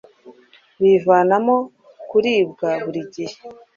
binavamo kuribwa buri gihe.